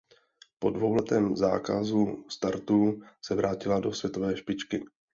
Po dvouletém zákazu startů se vrátila do světové špičky.